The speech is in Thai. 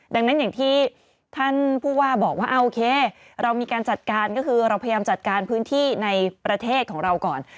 ดังนั้นอย่างที่ท่านผู้ว่าบอกว่าโอเคเรามีการจัดการก็คือเราพยายามจัดการพื้นที่ในประเทศของเราก่อน